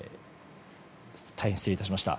大変、失礼致しました。